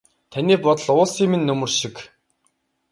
Таны бодол уулсын минь нөмөр шиг.